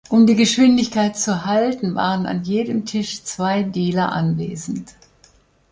Um die Geschwindigkeit zu halten, waren an jedem Tisch zwei Dealer anwesend.